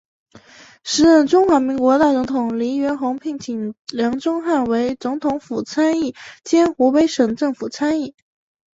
时任中华民国大总统黎元洪聘请梁钟汉为总统府参议兼湖北省政府参议。